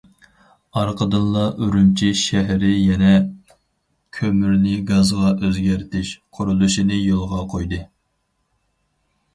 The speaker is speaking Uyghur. ئارقىدىنلا ئۈرۈمچى شەھىرى يەنە« كۆمۈرنى گازغا ئۆزگەرتىش» قۇرۇلۇشىنى يولغا قويدى.